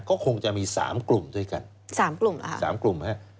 ก็คงจะมี๓กลุ่มด้วยกัน๓กลุ่ม